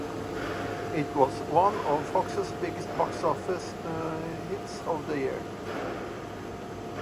It was one of Fox's biggest box office hits of the year.